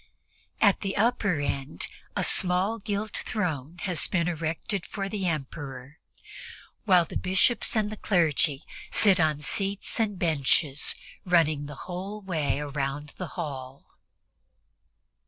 At the upper end a small gilt throne has been erected for the Emperor, while the Bishops and the clergy sit on seats and benches running the whole way around the hall.